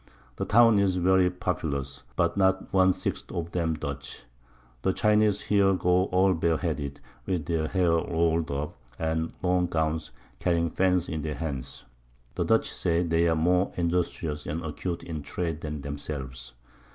The Town is very populous, but not one Sixth of them Dutch. The Chineze here go all bare headed, with their Hair roul'd up, and long Gowns, carrying Fans in their Hands. The Dutch say they are more industrious and acute in Trade than themselves.